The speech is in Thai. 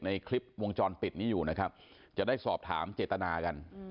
ในคลิปวงจรปิดนี้อยู่นะครับจะได้สอบถามเจตนากัน